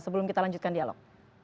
sebelum kita lanjutkan dialog